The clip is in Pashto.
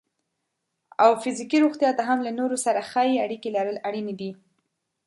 او فزیکي روغتیا ته هم له نورو سره ښې اړیکې لرل اړینې دي.